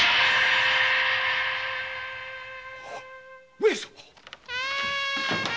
上様！